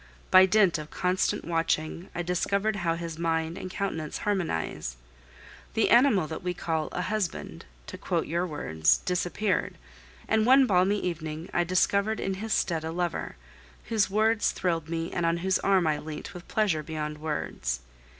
By dint of constant watching I discovered how his mind and countenance harmonize. "The animal that we call a husband," to quote your words, disappeared, and one balmy evening I discovered in his stead a lover, whose words thrilled me and on whose arm I leant with pleasure beyond words.